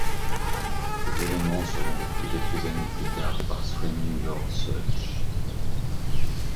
Ces éléments seront repris quelques années plus tard par Screaming Lord Sutch.